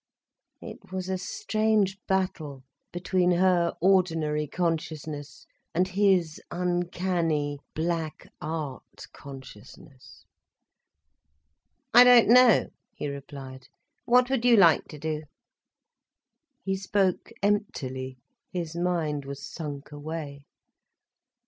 It was a strange battle between her ordinary consciousness and his uncanny, black art consciousness. "I don't know," he replied, "what would you like to do?" He spoke emptily, his mind was sunk away.